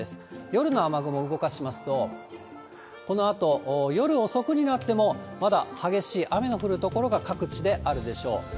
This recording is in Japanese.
夜の雨雲動かしますと、このあと、夜遅くになってもまだ激しい雨の降る所が各地であるでしょう。